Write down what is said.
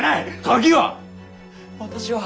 鍵は！